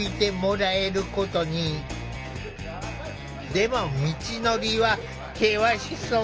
でも道のりは険しそう。